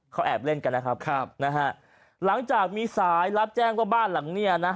เขาแอบเล่นกันนะครับครับนะฮะหลังจากมีสายรับแจ้งว่าบ้านหลังเนี้ยนะ